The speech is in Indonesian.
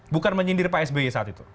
bukan menyindir pak sby saat itu